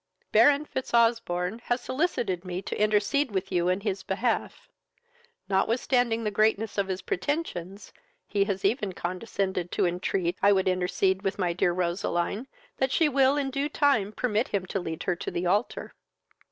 "Baron Fitzosbourne has solicited me to intercede with you in his behalf. Notwithstanding the greatness of his pretensions, he has even condescended to entreat I would intercede with my dear Roseline, that she will in due time permit him to lead her to the altar."